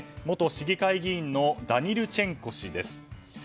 元市議会議員のダニルチェンコ氏です。